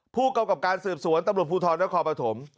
ผู้กำกับการสืบสวนตำรวจภูทรนครปฐม